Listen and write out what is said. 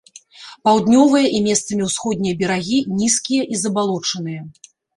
Паўднёвыя і месцамі ўсходнія берагі нізкія і забалочаныя.